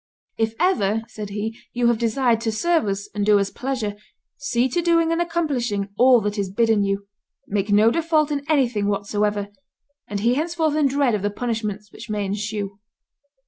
"If ever," said he, "you have desired to serve us and do us pleasure, see to doing and accomplishing all that is bidden you; make no default in anything whatsoever, and he henceforth in dread of the punishments which may ensue."